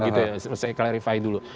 gitu ya saya clarify dulu